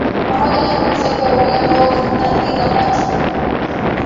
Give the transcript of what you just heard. Pamoja na ndugu zake wawili ambao ni Thandi na Patrick